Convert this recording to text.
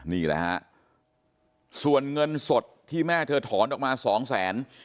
นี่แหละฮะส่วนเงินสดที่แม่เธอถอนออกมาสองแสน